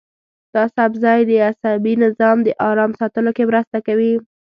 دا سبزی د عصبي نظام د ارام ساتلو کې مرسته کوي.